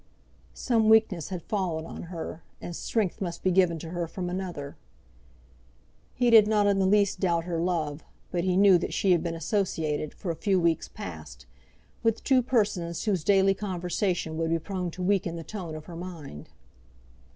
Some weakness had fallen on her, and strength must be given to her from another. He did not in the least doubt her love, but he knew that she had been associated, for a few weeks past, with two persons whose daily conversation would be prone to weaken the tone of her mind.